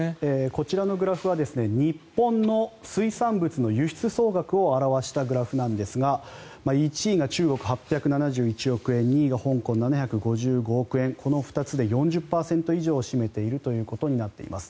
こちらのグラフは日本の水産物の輸出総額を表したグラフなんですが１位が中国、８７１億円２位が香港、７５５億円この２つで４０％以上を占めているということになっています。